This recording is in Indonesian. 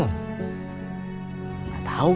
gak tahu kok